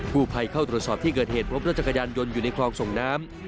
ผู้ภัยเข้าตรวจสอบที่เกิดเหตุพบรถจักรยานยนต์อยู่ในคลองส่งน้ำ